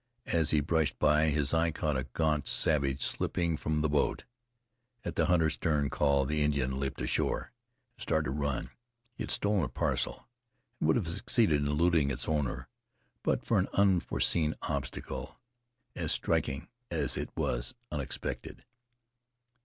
As he brushed by, his eye caught a gaunt savage slipping from the boat. At the hunter's stern call, the Indian leaped ashore, and started to run. He had stolen a parcel, and would have succeeded in eluding its owner but for an unforeseen obstacle, as striking as it was unexpected.